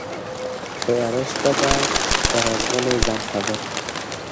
تياره شپه دا ده راځغلي ځان خبر كه